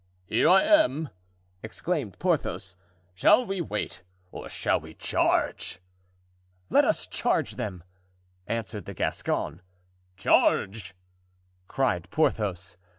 "Here I am!" exclaimed Porthos. "Shall we wait, or shall we charge?" "Let us charge them," answered the Gascon. "Charge!" cried Porthos.